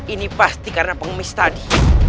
ini pasti karena pengemis tadi